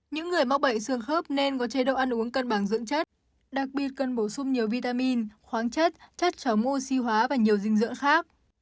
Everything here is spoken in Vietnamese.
những người mắc bệnh xương khớp nên có chế độ ăn uống cân bằng dưỡng chất đặc biệt cần bổ sung nhiều vitamin khoáng chất chất mô siêu hóa và nhiều dinh dưỡng khác